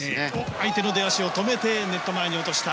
相手の出足を止めてネット前に落とした。